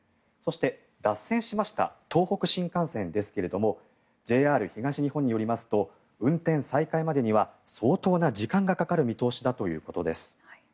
そして、脱線しました東北新幹線ですがＪＲ東日本によりますと運転再開までには相当な時間がかかる見通しだということです。